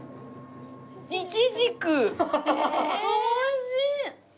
おいしい！